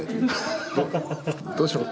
どうしよう？